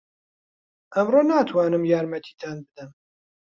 ئەمڕۆ ناتوانم یارمەتیتان بدەم.